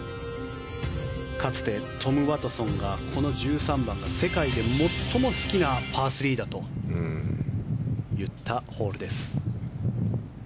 かつてトム・ワトソンがこの１３番が世界で最も好きなパー３だと言ったホールです。